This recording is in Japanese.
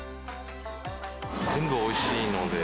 全部おいしいので。